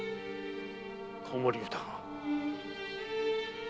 子守歌が。